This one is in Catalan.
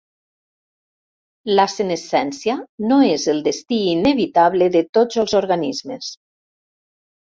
La senescència no és el destí inevitable de tots els organismes.